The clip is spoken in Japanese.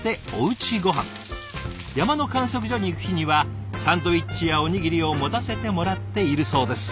山の観測所に行く日にはサンドイッチやおにぎりを持たせてもらっているそうです。